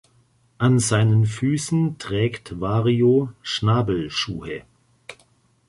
An seinen Füßen trägt Wario Schnabelschuhe.